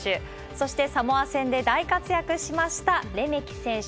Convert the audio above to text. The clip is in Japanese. そしてサモア戦で大活躍しましたレメキ選手。